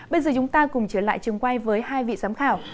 bây giờ chúng ta cùng trở lại trường quay với hai vị giám khảo